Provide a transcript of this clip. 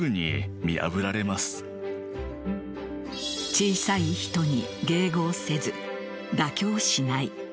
小さい人に迎合せず妥協しない。